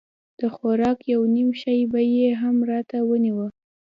د خوراک يو نيم شى به يې هم راته رانيوه.